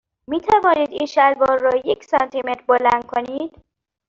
می توانید این شلوار را یک سانتی متر بلند کنید؟